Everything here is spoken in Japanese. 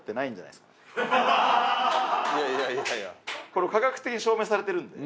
これ科学的に証明されてるんで。